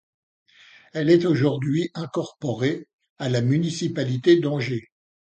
Elle est aujourd'hui incorporée à la municipalité d'Anger.